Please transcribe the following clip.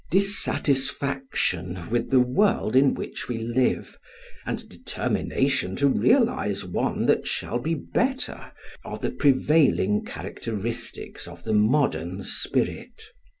Dissatisfaction with the world in which we live and determination to realise one that shall be better, are the prevailing characteristics of the modern spirit.